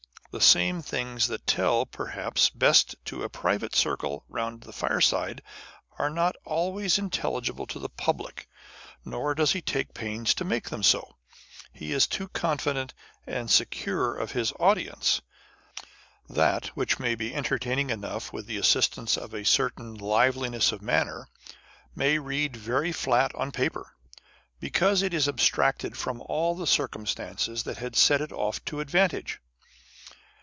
The same things that tell, perhaps, best to a private circle round the fireside, are not always intelligible to the public, nor does he take pains to make them so. He is too confident and secure of his audience. That which may be entertaining enough with the assistance of a certain liveliness of manner, may read very flat on paper, because it is abstracted from all the circumstances that had set it off to advantage.